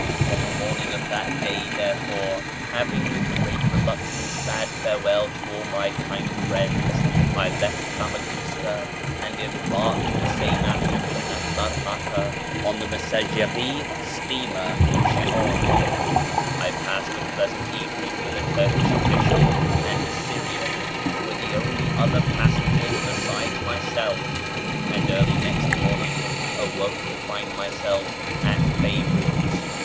On the morning of that day, therefore, having with great reluctance bade farewell to all my kind friends, I left Famagusta, and embarked the same afternoon at Larnaca [page xxvii] on the Messageries steamer Gironde. I passed a pleasant evening with a Turkish official and a Syrian who were the only other passengers besides myself, and early next morning awoke to find myself at Beyrout.